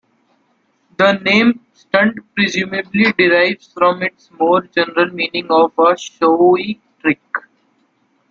The name "stunt" presumably derives from its more general meaning of a showy trick.